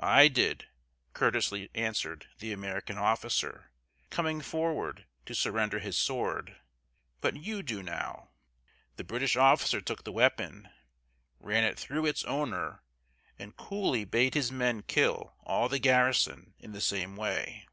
"I did," courteously answered the American officer, coming forward to surrender his sword, "but you do now." The British officer took the weapon, ran it through its owner, and coolly bade his men kill all the garrison in the same way.